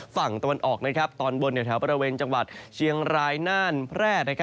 ฝั่งตะวันออกตอนบนแถวบริเวณจังหวัดเชียงรายน่านแพร่